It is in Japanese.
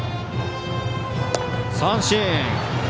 三振。